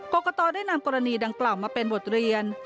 กรอกกระต่อได้นำกรณีดังเปล่ามาเป็นบทเรียน